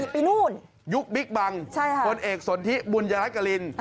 ปีนู่นยุคบิ๊กบังค์คนเอกสนทิบุญรักษ์กระลิน